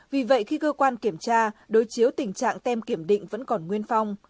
vì vậy khi cơ quan kiểm tra đối chiếu tình trạng tem kiểm định vẫn còn nguyên phong